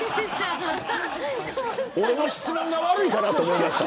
俺の質問が悪いんかなと思いました。